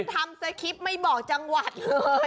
ทำสคริปต์ไม่บอกจังหวัดเลย